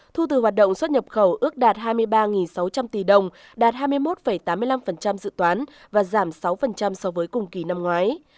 thu từ hoạt động xuất nhập khẩu ước đạt hai mươi ba sáu trăm linh tỷ đồng đạt hai mươi một tám mươi năm dự toán và giảm sáu so với cùng kỳ năm ngoái